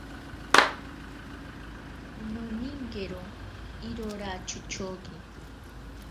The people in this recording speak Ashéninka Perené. Noninkero irora chochoki.